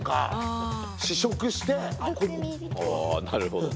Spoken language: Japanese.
おなるほどね。